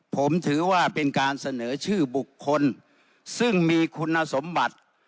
ผมถือว่าเป็นการเสนอชื่อบุคคลซึ่งมีคุณสมบัติ